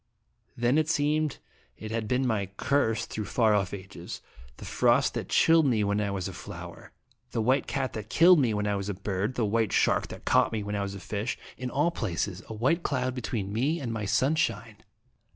Then it seemed it had been my curse through far off ages, the frost that chilled me when I was a flower, the white cat that killed me when I was a bird, the white shark that caught me when I was a fish in all places a white cloud between me and my sunshine.